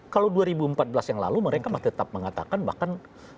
kalau dua ribu empat belas yang lalu mereka masih tetap mengatakan bahkan